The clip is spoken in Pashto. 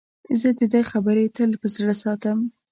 زه د ده خبرې تل په زړه ساتم.